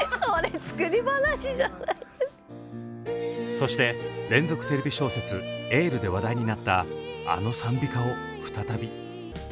そして連続テレビ小説「エール」で話題になったあの賛美歌を再び。